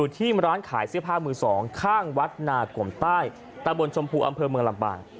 ที่ร้านขายเสื้อผ้ามือสองข้างวัดนากลมใต้ตะบนชมพูอำเภอเมืองลำปาง